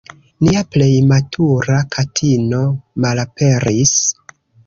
Nia plej matura katino malaperis.